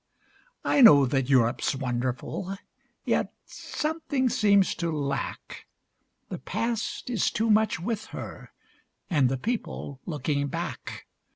I know that Europe's wonderful, yet something seems to lack: The Past is too much with her, and the people looking back.